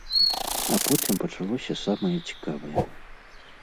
А потым пачалося самае цікавае.